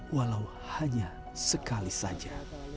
walau hanya sekali saja